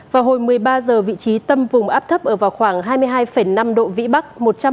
vào hồi một mươi ba h vị trí tâm vùng áp thấp ở vào khoảng hai mươi hai năm độ vĩ bắc